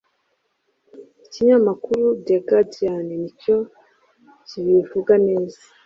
Ikinyamakuru The Guardian nicyo kibivuga neza